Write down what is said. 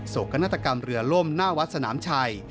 กนาฏกรรมเรือล่มหน้าวัดสนามชัย